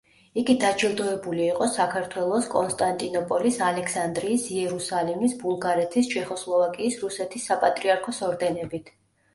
იგი დაჯილდოებული იყო საქართველოს, კონსტანტინოპოლის, ალექსანდრიის, იერუსალიმის, ბულგარეთის, ჩეხოსლოვაკიის, რუსეთის საპატრიარქოს ორდენებით.